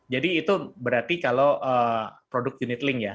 jadi itu berarti kalau produk unitlink ya